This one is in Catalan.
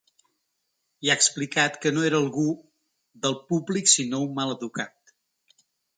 I ha explicat que no era algú ‘del públic, sinó un maleducat’.